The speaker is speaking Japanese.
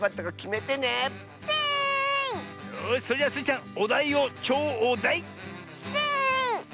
よしそれじゃスイちゃんおだいをちょう「だい」。スイ！